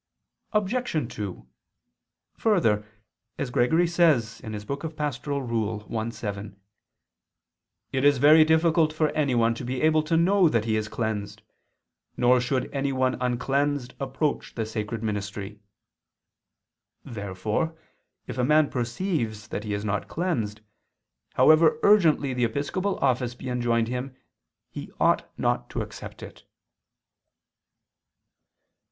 Obj. 2: Further, as Gregory says (Pastor. i, 7), "it is very difficult for anyone to be able to know that he is cleansed: nor should anyone uncleansed approach the sacred ministry." Therefore if a man perceives that he is not cleansed, however urgently the episcopal office be enjoined him, he ought not to accept it.